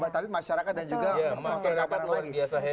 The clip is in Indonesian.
tapi masyarakat dan juga pemerintah